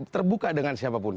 terbuka dengan siapapun